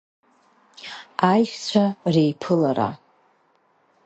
Аишьцәа реиԥылара.